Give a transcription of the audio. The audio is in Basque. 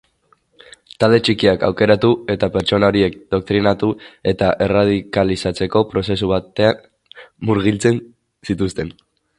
Talde txikiak aukeratu eta pertsona horiek doktrinatu eta erradikalizatzeko prozesu batean murgiltzen zituzten.